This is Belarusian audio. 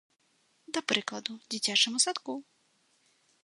Да прыкладу, дзіцячаму садку.